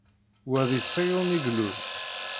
Wa di Ṣiyun i ilul.